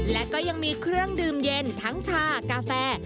และก็ยังมีเครื่องดื่มเย็นทั้งชากาแฟ